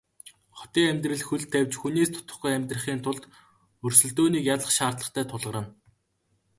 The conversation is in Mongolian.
Хотын амьдралд хөл тавьж хүнээс дутахгүй амьдрахын тулд өрсөлдөөнийг ялах шаардлага тулгарна.